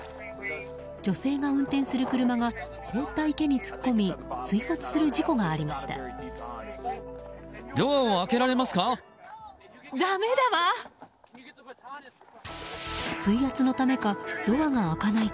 女性が運転する車が凍った池に突っ込み水没する事故がありました。